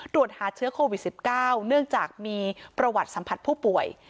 ตรวจหาเชื้อโควิด๑๙เนื่องจากมีประวัติสัมผัสผู้ป่วย